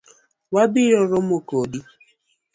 Wabiro romo kodi.